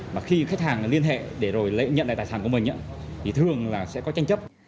mà khi khách hàng liên hệ để rồi nhận lại tài sản của mình thì thường là sẽ có tranh chấp